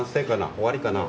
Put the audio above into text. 終わりかな？